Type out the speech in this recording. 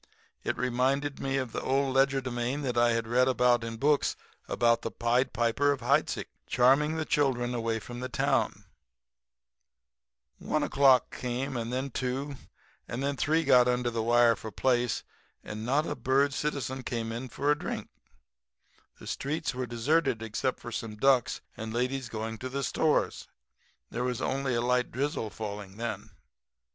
It reminded me of the old legerdemain that I'd read in books about the Pied Piper of Heidsieck charming the children away from the town. [Illustration: "And he leads 'em down the main street of Bird City."] "One o'clock came; and then two; and three got under the wire for place; and not a Bird citizen came in for a drink. The streets were deserted except for some ducks and ladies going to the stores. There was only a light drizzle falling then.